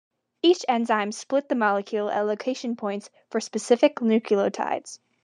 Each enzyme split the molecule at location points for specific nucleotides.